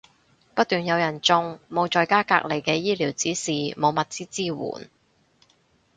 不斷有人中，冇在家隔離嘅醫療指示，冇物資支援